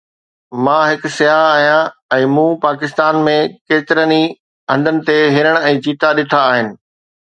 مان هڪ سياح آهيان ۽ مون پاڪستان ۾ ڪيترن ئي هنڌن تي هرڻ ۽ چيتا ڏٺا آهن